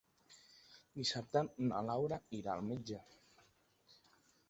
Dissabte na Laura irà al metge.